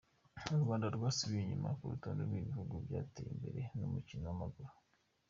U Rwanda rwasubiye inyuma ku rutonde rwibihugu byateye imbere mumukino wamaguru